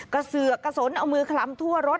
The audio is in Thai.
เสือกกระสนเอามือคลำทั่วรถ